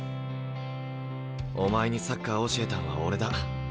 お前にサッカー教えたんは俺だ。